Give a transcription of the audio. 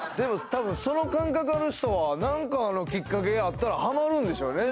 たぶんその感覚の人は何かのきっかけがあったらハマるんでしょうね